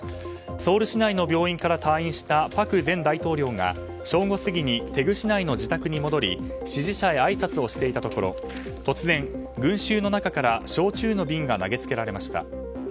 ソウル市内の病院から退院したパク前大統領が正午過ぎにテグ市内の自宅に戻り支持者へあいさつをしていたところ突然、群衆の中から焼酎の瓶が投げつけられました。